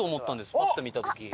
パッと見た時。